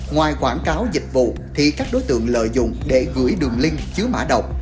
ngoài quảng cáo dịch vụ thì các đối tượng lợi dụng để gửi đường link chứa mã độc